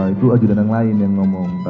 itu ajudan yang lain yang ngomong